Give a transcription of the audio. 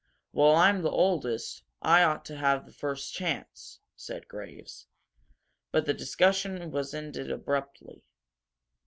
"Well, I'm the oldest. I ought to have first chance," said Graves. But the discussion was ended abruptly.